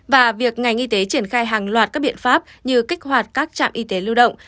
và việc ngành y tế triển khai hàng loạt các biện pháp như kích hoạt các trạm y tế lưu động